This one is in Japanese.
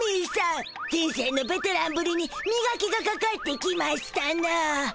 人生のベテランぶりにみがきがかかってきましたな。